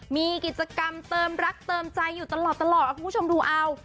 มีกิจกรรมเติมรักเติมใจอยู่ตลอดคุณผู้ชมดูเอา